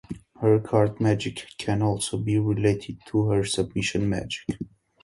Her card magic can also be related to her submission magic.